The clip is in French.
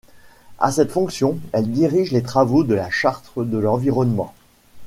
À cette fonction, elle dirige les travaux de la Charte de l'environnement.